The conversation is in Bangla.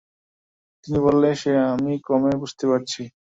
তিনি বললেন, সে আমি ক্রমে বুঝতে পারছি।